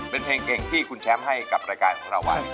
เป็นเพลงเก่งที่คุณแชมป์ให้กับรายการของเราไว้